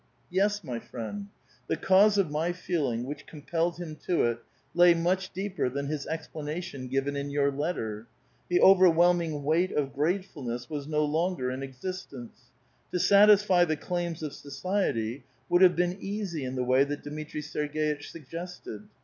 Yes, my friend, the cause of my feeling, which ctompelled him to it, lay much deeper than his explanation given in your letter. The overwhelming weight of grate fulness was no lonorcr in existence. To satisfy the claims of society would have been easy in the way that Dmitri Serg^itch suggested.